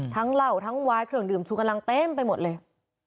เหล้าทั้งวายเครื่องดื่มชูกำลังเต็มไปหมดเลย